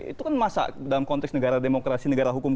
itu kan masa dalam konteks negara demokrasi negara hukum